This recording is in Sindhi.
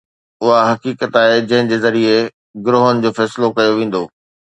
اها حقيقت آهي جنهن جي ذريعي گروهن جو فيصلو ڪيو ويندو.